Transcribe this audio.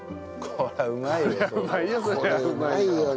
これはうまいよ